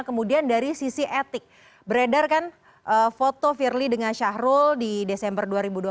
kemudian dari sisi etik beredarkan foto firly dengan syahrul di desember dua ribu dua puluh